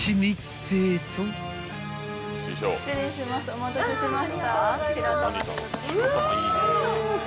お待たせしました。